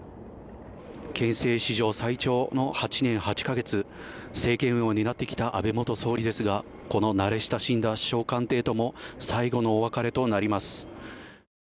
憲政史上最長の８年８カ月、政権運営を担ってきた安倍元総理ですが、この慣れ親しんだ首相官邸とも最後のお別れとなります。